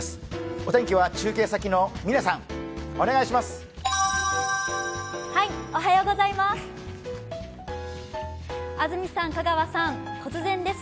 お天気は中継先の嶺さん、お願いします。